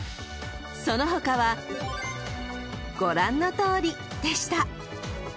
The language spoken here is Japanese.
［その他はご覧のとおりでした］